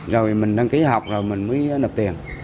rồi mình đăng ký học rồi mình mới nạp tiền